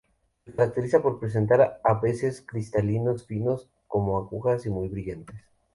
Se caracteriza por presentar a veces cristales finos como agujas y muy brillantes.